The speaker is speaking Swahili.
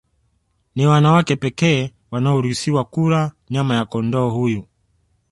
Ni wanawake pekee wanaoruhusiwa kula nyama ya kondoo huyu